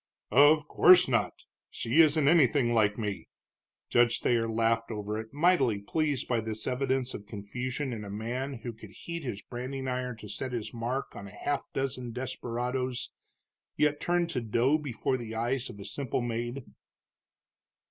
"Of course not. She isn't anything like me." Judge Thayer laughed over it, mightily pleased by this evidence of confusion in a man who could heat his branding iron to set his mark on half a dozen desperadoes, yet turned to dough before the eyes of a simple maid.